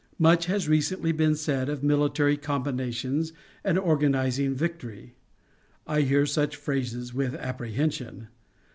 Much has recently been said of military combinations and organizing victory. I hear such phrases with apprehension.